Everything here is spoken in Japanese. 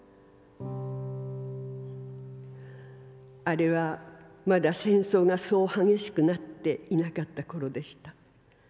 「あれはまだ戦争がそう激しくなっていなかった頃でした。